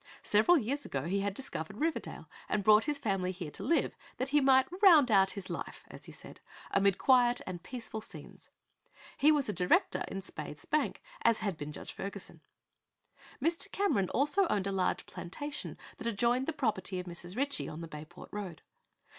Several years ago he had discovered Riverdale and brought his family there to live, that he might "round out his life," as he said, amid quiet and peaceful scenes. He was a director in Spaythe's bank, as had been Judge Ferguson. Mr. Cameron also owned a large plantation that adjoined the property of Mrs. Ritchie, on the Bayport road.